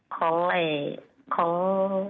ของ